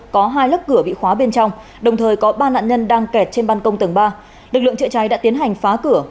có hai lớp cửa bị khóa bên trong đồng thời có ba nạn nhân đang kẹt trên băn công tầng ba lực lượng chữa cháy đã tiến hành phá cửa